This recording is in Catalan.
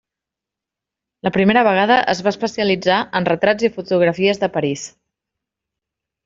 La primera vegada es va especialitzar en retrats i fotografies de París.